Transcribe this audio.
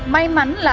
may mắn là